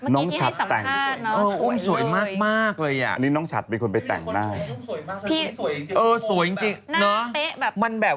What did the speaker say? น้องชัดแต่งน้องสวยเลยอันนี้น้องชัดเป็นคนไปแต่งหน้าน้องอุ้มสวยมากเลย